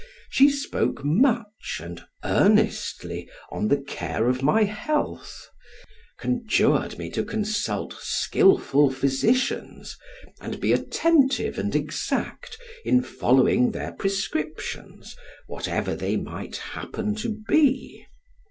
She spoke much and earnestly on the care of my health, conjured me to consult skilful physicians, and be attentive and exact in following their prescriptions whatever they might happen to be.